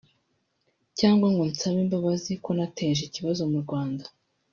cyangwa ngo nsabe imbabazi ko nateje ikibazo mu Rwanda